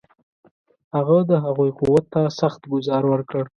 هغه د هغوی قوت ته سخت ګوزار ورکړ.